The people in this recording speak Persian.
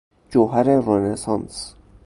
جوهر رنسانس